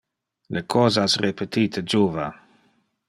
Le cosas repetite juva.